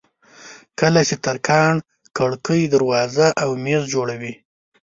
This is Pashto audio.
کله چې ترکاڼ کړکۍ دروازې او مېزونه جوړوي.